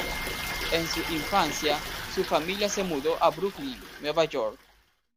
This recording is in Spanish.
En su infancia, su familia se mudó a Brooklyn, Nueva York.